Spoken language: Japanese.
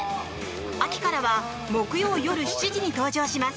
秋からは木曜夜７時に登場します。